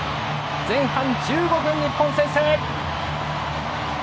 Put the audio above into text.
前半１５分、日本先制！